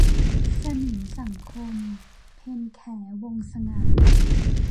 สนิมสังคม - เพ็ญแข วงศ์สง่า